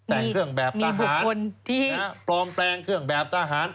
แต่งเครื่องแบบทหารปลอมแปลงเครื่องแบบทหาร